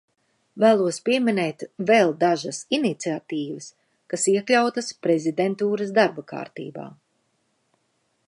Vēlos pieminēt vēl dažas iniciatīvas, kas iekļautas prezidentūras darba kārtībā.